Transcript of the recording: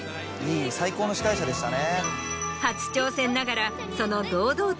最高の司会者でしたね。